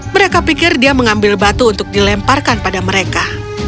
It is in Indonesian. mereka pikir dia mengambil batu untuk dilemparkan pada mereka